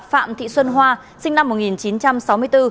phạm thị xuân hoa sinh năm một nghìn chín trăm sáu mươi bốn